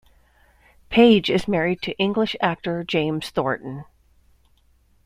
Page is married to English actor James Thornton.